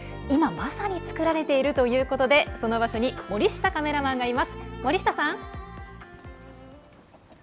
今まさに作られているということで、その場所に森下カメラマンがいます。